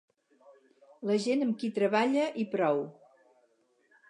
La gent amb qui treballa i prou.